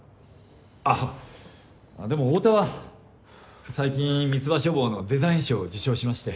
あでも太田は最近三つ葉書房のデザイン賞を受賞しまして。